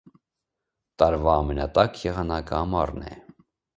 Տարվա ամենատաք եղանակը ամառն է։